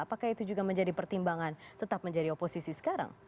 apakah itu juga menjadi pertimbangan tetap menjadi oposisi sekarang